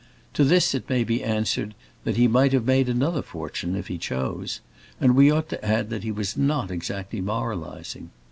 To this it may be answered that he might have made another fortune, if he chose; and we ought to add that he was not exactly moralizing.